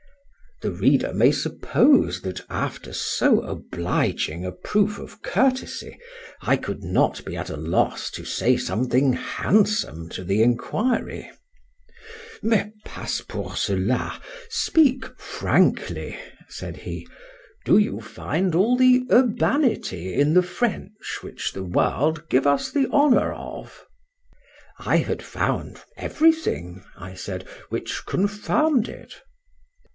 The reader may suppose, that after so obliging a proof of courtesy, I could not be at a loss to say something handsome to the enquiry. —Mais passe, pour cela.—Speak frankly, said he: do you find all the urbanity in the French which the world give us the honour of?—I had found every thing, I said, which confirmed it.